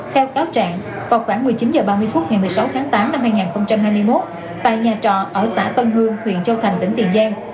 theo cáo trạng vào khoảng một mươi chín h ba mươi phút ngày một mươi sáu tháng tám năm hai nghìn hai mươi một tại nhà trọ ở xã tân hương huyện châu thành tỉnh tiền giang